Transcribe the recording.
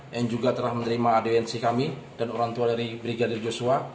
yang juga telah menerima adensi kami dan orang tua dari brigadir joshua